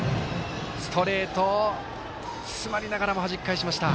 ストレートを詰まりながらもはじき返しました。